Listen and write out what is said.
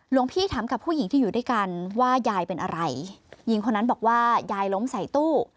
หลวงพี่ถามกับผู้หญิงที่อยู่ด้วยกันว่ายายเป็นอะไรหญิงคนนั้นบอกว่ายายล้มใส่ตู้